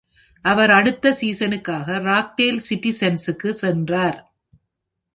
அவர் அடுத்த சீசனுக்காக Rockdale City சன்ஸுக்கு சென்றார்.